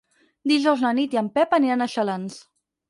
Dijous na Nit i en Pep aniran a Xalans.